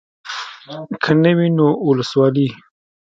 که نه وي نو اولسوالي.